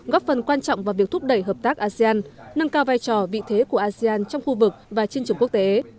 góp phần quan trọng vào việc thúc đẩy hợp tác asean nâng cao vai trò vị thế của asean trong khu vực và trên trường quốc tế